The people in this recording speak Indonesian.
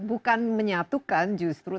bukan menyatukan justru